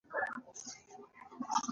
پوهه د شعور بیداري راولي.